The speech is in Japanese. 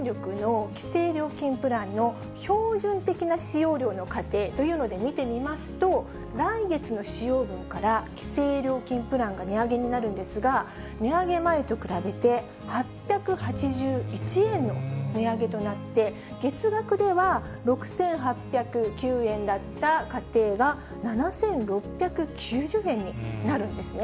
では東京電力の規制料金プランの標準的な使用りょうの家庭というので見てみますと、来月の使用分から規制料金プランが値上げになるんですが、値上げ前と比べて、８８１円の値上げとなって、月額では６８０９円だった家庭が７６９０円になるんですね。